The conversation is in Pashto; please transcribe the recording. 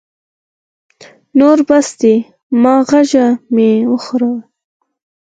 نور بس دی ، ماغزه مي مه خوره !